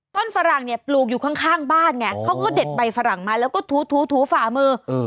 ฝรั่งเนี่ยปลูกอยู่ข้างบ้านไงเขาก็เด็ดใบฝรั่งมาแล้วก็ถูถูฝ่ามือ